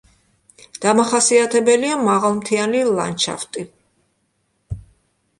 დამახასიათებელია მაღალმთიანი ლანდშაფტი.